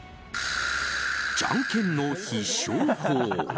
じゃんけんの必勝法。